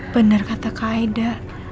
bener kata kak aida